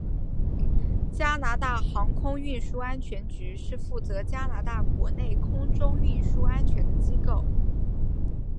加拿大航空运输安全局是负责加拿大国内空中运输安全的机构。